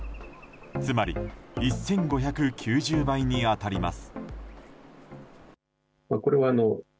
つまり１５９０倍に当たります。